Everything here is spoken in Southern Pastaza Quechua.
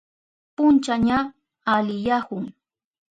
Puncha ña aliyahun.